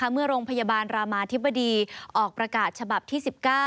เมื่อโรงพยาบาลรามาธิบดีออกประกาศฉบับที่๑๙